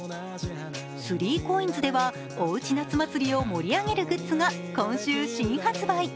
３ＣＯＩＮＳではおうち夏祭りを盛り上げるグッズが今週、新発売。